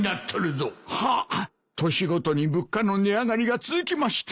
はっ年ごとに物価の値上がりが続きまして。